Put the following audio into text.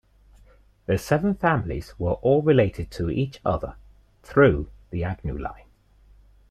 The seven families were all related to each other through the Agnew line.